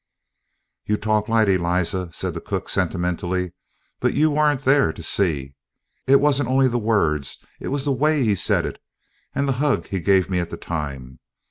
"You talk light, Eliza," said the cook sentimentally, "but you weren't there to see. It wasn't only the words, it was the way he said it, and the 'ug he gave me at the time.